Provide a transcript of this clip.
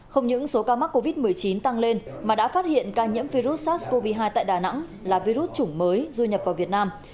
không những số ca mắc covid một mươi chín tăng lên mà đã phát hiện ca nhiễm virus sars cov hai tại đà nẵng là virus chủng mới duy nhập vào việt nam